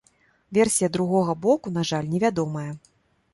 Версія другога боку, на жаль, невядомая.